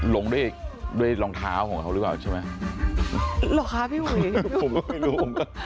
ลงด้วยด้วยรองเท้าของเขาหรือเปล่าใช่ไหมหรอคะพี่อุ๋ยผมก็ไม่รู้ผมก็